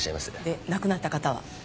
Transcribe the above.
で亡くなった方は？